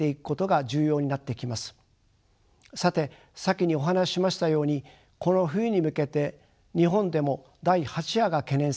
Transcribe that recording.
さて先にお話ししましたようにこの冬に向けて日本でも第８波が懸念されています。